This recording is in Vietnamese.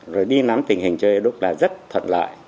rồi đi nắm tình hình cho eo đúc là rất thuận lợi